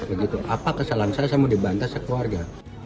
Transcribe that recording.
apa kesalahan saya saya mau dibantai sekeluarga